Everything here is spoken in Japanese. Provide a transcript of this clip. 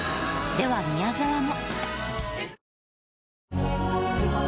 では宮沢も。